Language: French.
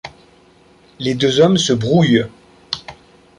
Les deux hommes se brouillent.